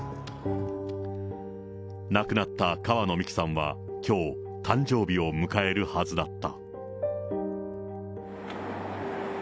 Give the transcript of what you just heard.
亡くなった川野美樹さんはきょう、誕生日を迎えるはずだった。